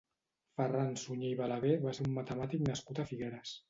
Ferran Sunyer i Balaguer va ser un matemàtic nascut a Figueres.